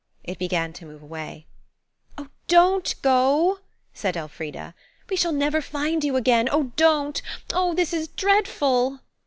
It began to move away. "Oh, don't go!" said Elfrida; "we shall never find you again. Oh, don't! Oh, this is dreadful!"